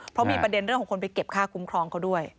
เพราะมีประเด็นเรื่องของคนไปเก็บค่าคุ้มครองเขาด้วย